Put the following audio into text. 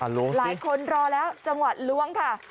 หลายคนรอแล้วจังหวัดล้วงค่ะ